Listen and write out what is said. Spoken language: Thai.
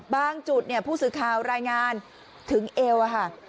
จุดผู้สื่อข่าวรายงานถึงเอวค่ะ